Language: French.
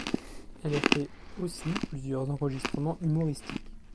Elle a fait aussi plusieurs enregistrements humoristiques.